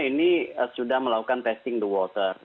ini sudah melakukan testing the water